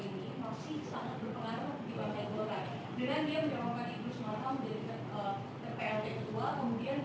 itu artinya sebenarnya bagaimana sikap dari pak pertai bokar terkait dengan pak pertai bokar yang memang sudah jelas menjadi persangka konspirasi